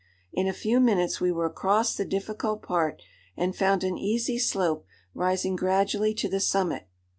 In a few minutes we were across the difficult part and found an easy slope rising gradually to the summit.